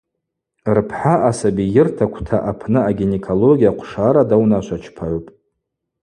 Рпхӏа асабийырта квта апны агинекология хъвшара даунашвачпагӏвпӏ.